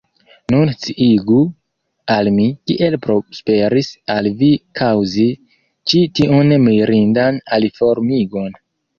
Nun sciigu al mi, kiel prosperis al vi kaŭzi ĉi tiun mirindan aliformigon.